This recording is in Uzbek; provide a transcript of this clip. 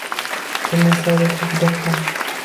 Tilni sayratadigan ham